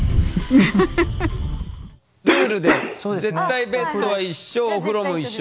ルールで絶対ベッドは一緒お風呂も一緒。